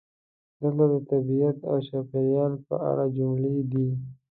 دلته د "طبیعت او چاپیریال" په اړه جملې دي: